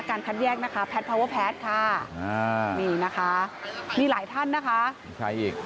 การคัดแยกนะคะค่ะนี่นะคะมีหลายท่านนะคะมีใครอีก